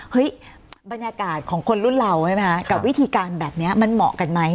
บรรยากาศของคนรุ่นเราใช่ไหมคะกับวิธีการแบบนี้มันเหมาะกันไหม